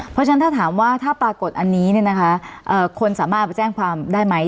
เพราะฉะนั้นถ้าถามว่าถ้าปรากฏอันนี้คนสามารถไปแจ้งความได้ไหม